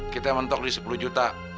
kita mentok di sepuluh juta